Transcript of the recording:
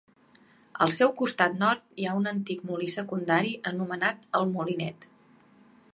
Al seu costat nord hi ha un antic molí secundari, anomenat el Molinet.